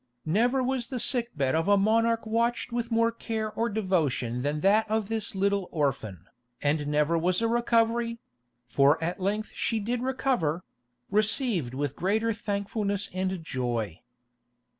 Never was the sickbed of a monarch watched with more care or devotion than that of this little orphan, and never was a recovery—for at length she did recover—received with greater thankfulness and joy.